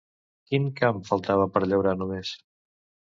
Quin camp faltava per llaurar només?